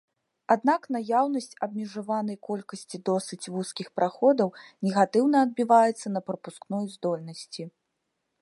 Аднак наяўнасць абмежаванай колькасці досыць вузкіх праходаў негатыўна адбіваецца на прапускной здольнасці.